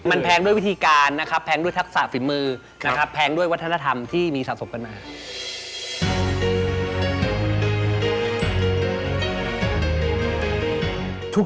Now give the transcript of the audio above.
มันแพงด้วยวิธีการนะครับแพงด้วยทักษะฝีมือนะครับแพงด้วยวัฒนธรรมที่มีสะสมกันมา